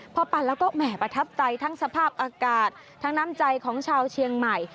พอปั่นแล้วก็แหม่ประทับใจทั้งสภาพอากาศทั้งน้ำใจของชาวเชียงใหม่